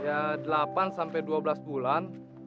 ya delapan sampai dua belas bulan